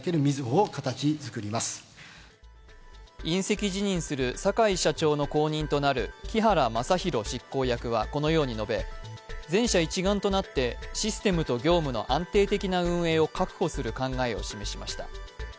引責辞任する坂井社長の後任となる木原正裕執行役はこのように述べ、全社一丸となってシステムと業務の安定的な運営を確保する考えを示しました。